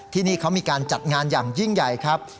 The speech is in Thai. ที่นี่เขามีการจัดงานอย่างยิ่งใหญ่ครับ